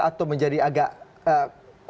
atau menjadi agak